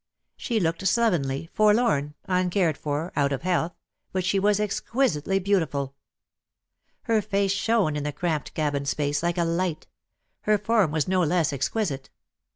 She looked slovenly, forlorn, uncared for, out of health, but she was exquisitely beautiful. Her face shone in the cramped cabin space, like a light; her form was no less exquisite.